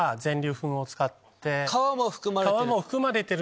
皮も含まれてる。